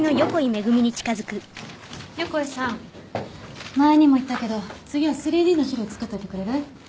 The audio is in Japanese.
横井さん前にも言ったけど次は３Ｄの資料を作っといてくれる？